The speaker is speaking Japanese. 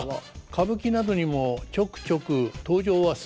歌舞伎などにもちょくちょく登場はするんです。